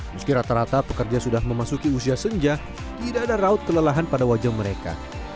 meski rata rata pekerja sudah memasuki usia senja tidak ada raut kelelahan pada wajah mereka